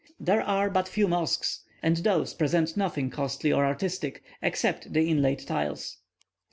There are but few mosques, and those present nothing costly or artistic, except the inlaid tiles.